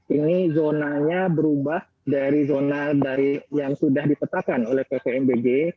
ini zonanya berubah dari zona yang sudah dipetakan oleh pvmbg